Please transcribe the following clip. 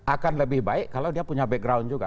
akan lebih baik kalau dia punya background juga